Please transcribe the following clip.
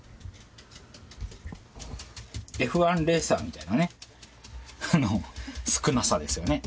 Ｆ１レーサーみたいなね少なさですよね。